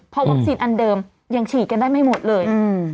พอวัคซีนอันเดิมยังฉีดกันได้ไม่หมดเลย